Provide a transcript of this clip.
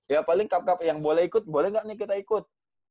ya paling kap kap yang boleh ikut boleh nggak nih kita ikut